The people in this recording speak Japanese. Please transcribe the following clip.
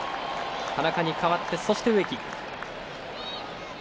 田中に代わって、そして植木。